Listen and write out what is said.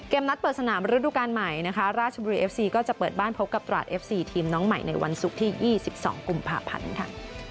นัดเปิดสนามฤดูการใหม่นะคะราชบุรีเอฟซีก็จะเปิดบ้านพบกับตราดเอฟซีทีมน้องใหม่ในวันศุกร์ที่๒๒กุมภาพันธ์ค่ะ